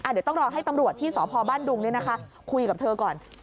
เดี๋ยวต้องรอให้ตำรวจที่สพบ้านดุงคุยกับเธอก่อน